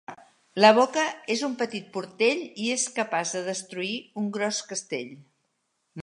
La boca és un petit portell i és capaç de destruir un gros castell.